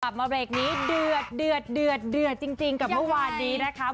กลับมาเบรกนี้เดือดเดือดเดือดเดือดจริงกับเมื่อวานนี้นะคะ